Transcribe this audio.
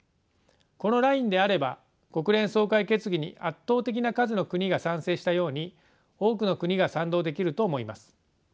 このラインであれば国連総会決議に圧倒的な数の国が賛成したように多くの国が賛同できると思います。